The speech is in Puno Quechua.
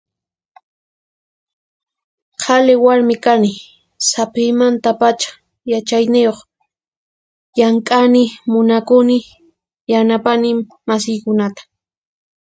Qhali warmi kani, saphiymantapacha yachayniyuq, llank'ani, munakuni, yanapani masiykunata.